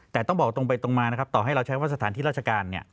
แต่ต้องบอกตรงไปตรงมานะครับต่อให้เราใช้ว่าสถานที่ราชการ